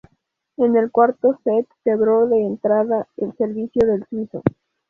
En el cuarto set quebró de entrada el servicio del suizo.